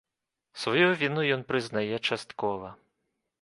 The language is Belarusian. Сваю віну ён прызнае часткова.